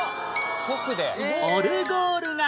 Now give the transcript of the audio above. オルゴールが